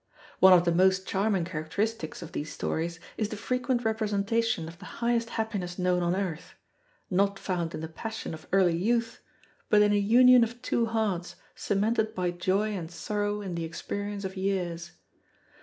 One of the most charming characteristics of these stories is the frequent representation of the highest happiness known on earth not found in the passion of early youth, but in a union of two hearts cemented by joy and sorrow in the experience of years.